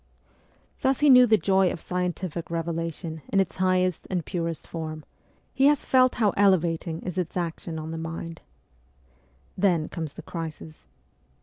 Thus he knew the joy of scientific revelation in its highest and purest form, he has felt how elevating is its action on the mind. Then comes the crisis.